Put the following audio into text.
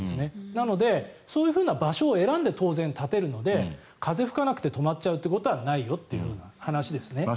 なので、そういう場所を選んで当然、建てるので風が吹かなくて止まっちゃうということはないよという話ですね。